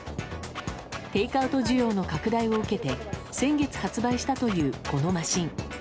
テイクアウト需要の拡大を受けて先月発売したというこのマシン。